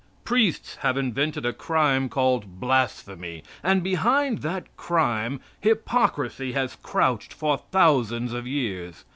Priests have invented a crime called "blasphemy," and behind that crime hypocrisy has crouched for thousands of years.